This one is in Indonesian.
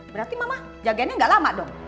berarti mama jaganya gak lama dong